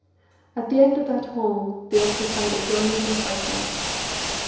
At the end of that hall they occupied adjoining compartments.